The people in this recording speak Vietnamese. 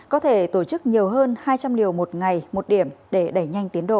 có thể tổ chức nhiều hơn hai trăm linh liều một ngày một điểm để đẩy nhanh tiến độ